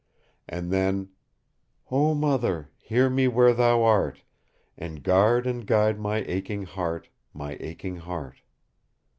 And then "Oh, Mother, hear me where thou art, And guard and guide my aching heart, my aching heart!"